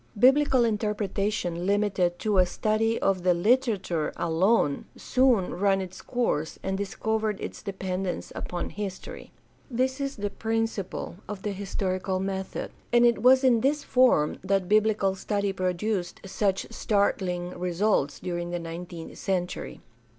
Biblical interpretation limited to a study of the Hterature alone soon ran its course and discovered its dependence upon history. This is the principle of the historical method; and it was in 464 GUIDE TO STUDY OF CHRISTIAN RELIGION this form that biblical study produced such startling results during the nineteenth century.